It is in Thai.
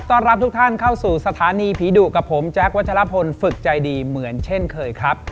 รับทุกท่านเข้าสู่สถานีผีดุกับผมแจ๊ควัชลพลฝึกใจดีเหมือนเช่นเคยครับ